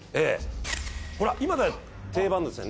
ほら今だと定番ですね